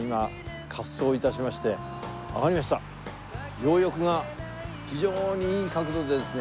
両翼が非常にいい角度でですね